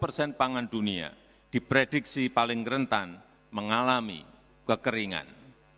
lima puluh persen pangan dunia diprediksi paling rentan mengalami kekeringan